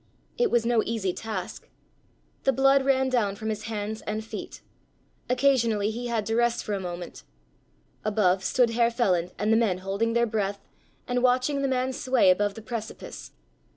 It was no easy task. The blood ran down from his hands and feet. Occasionally he had to rest for a moment. Above stood Herr Feland and the men holding their breath and watching the man sway above the precipice.